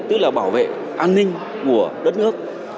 tức là bảo vệ an ninh của đất nước